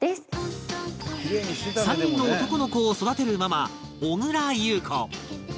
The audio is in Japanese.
３人の男の子を育てるママ小倉優子